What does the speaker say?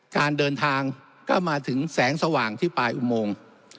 การเดินทางก็มาถึงแสงสว่างที่ปลายอุโมง